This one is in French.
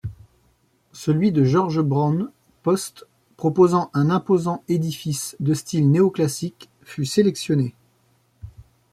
Celui de George Browne Post proposant un imposant édifice de style néoclassique fut sélectionné.